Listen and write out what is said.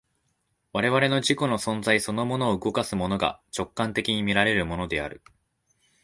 我々の自己の存在そのものを動かすものが、直観的に見られるものである。